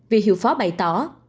vị hiệu phó bày tỏ